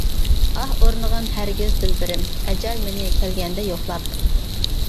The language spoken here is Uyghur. ئاھ ئۇرمىغىن ھەرگىز دىلبىرىم، ئەجەل مېنى كەلگەندە يوقلاپ.